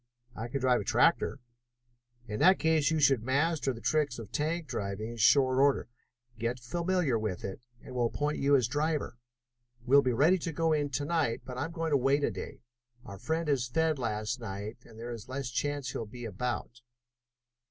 "I can drive a tractor." "In that case you should master the tricks of tank driving in short order. Get familiar with it and we'll appoint you as driver. We'll be ready to go in to night, but I am going to wait a day. Our friend was fed last night, and there is less chance he'll be about."